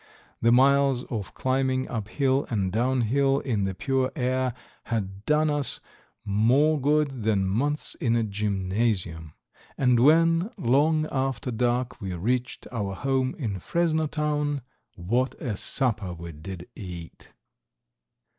The miles of climbing up hill and down hill in the pure air had done us more good than months in a gymnasium, and when, long after dark, we reached our home in Fresno town, what a supper we did eat.